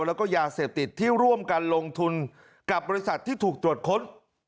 แล้วก็ยาเสพติดที่ร่วมกันลงทุนกับบริษัทที่ถูกตรวจค้น